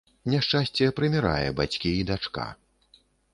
Няшчасце прымірае бацькі і дачка.